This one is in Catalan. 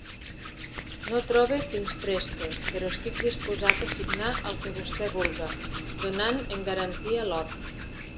No trobe qui ens preste; però estic dispost a signar el que vostè vulga, donant en garantia l'hort.